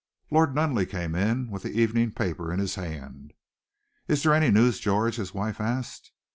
Lord Nunneley came in, with the evening paper in his hand. "Is there any news, George?" his wife asked.